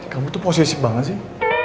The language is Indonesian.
kamu tuh posesif banget sih